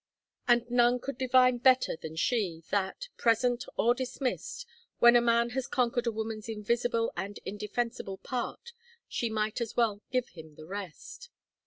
And none could divine better than she, that, present or dismissed, when a man has conquered a woman's invisible and indefensible part she might as well give him the rest.